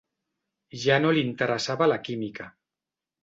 Ja no li interessava la química.